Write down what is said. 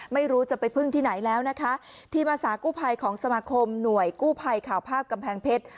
ไม่รู้จะไปพึ่งที่ไหนแล้วนะคะทีมอาสากู้ภัยของสมาคมหน่วยกู้ภัยข่าวภาพกำแพงเพชร